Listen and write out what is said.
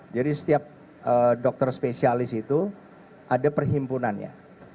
jadi setiap dokter spesialis itu ada perhimpunannya